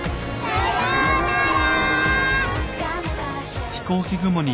さようなら。